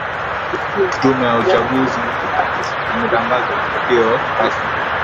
tume ya uchaguzi imetangaza matokeo rasmi